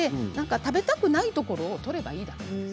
食べたくない部分を取ればいいだけです。